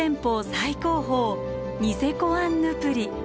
最高峰ニセコアンヌプリ。